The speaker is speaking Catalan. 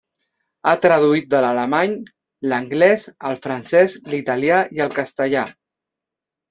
Ha traduït de l'alemany, l'anglès, el francès, l'italià i el castellà.